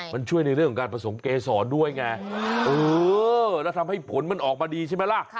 มันช่วยในเรื่องของการผสมเกษรด้วยไงเออแล้วทำให้ผลมันออกมาดีใช่ไหมล่ะ